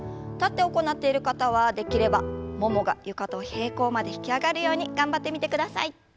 立って行っている方はできればももが床と平行まで引き上がるように頑張ってみてください。